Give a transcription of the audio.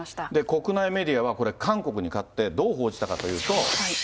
国内メディアは、これ、韓国に勝って、どう報じたかというと。